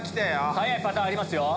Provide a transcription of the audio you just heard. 早いパターンありますよ。